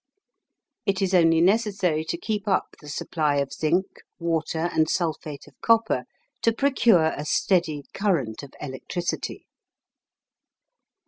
It is only necessary to keep up the supply of zinc, water, and sulphate of copper to procure a steady current of electricity.